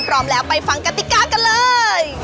พร้อมแล้วไปฟังกติกากันเลย